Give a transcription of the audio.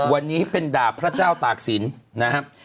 วันนี้เป็นดาบพระเจ้าตากศิลป์นะครับ